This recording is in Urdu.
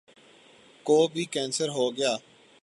کو بھی کینسر ہو گیا ؟